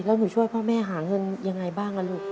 แล้วหนูช่วยพ่อแม่หาเงินยังไงบ้างล่ะลูก